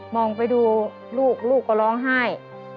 องไปดูลูกลูกก็ร้องไห้